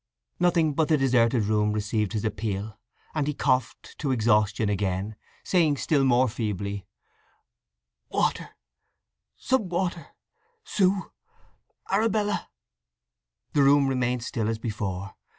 Nothing but the deserted room received his appeal, and he coughed to exhaustion again—saying still more feebly: "Water—some water—Sue—Arabella!" The room remained still as before.